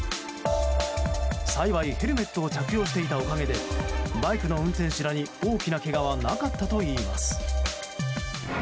幸い、ヘルメットを着用していたおかげでバイクの運転手らに大きなけがはなかったといいます。